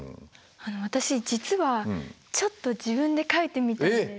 私実はちょっと自分で書いてみたんです。